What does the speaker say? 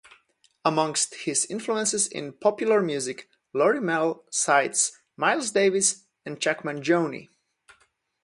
Amongst his influences in popular music, Lorimer cites Miles Davis and Chuck Mangione.